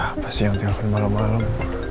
siapa sih yang telfon malem malem